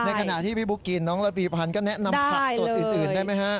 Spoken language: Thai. ขณะที่พี่บุ๊กกินน้องระพีพันธ์ก็แนะนำผักสดอื่นได้ไหมฮะ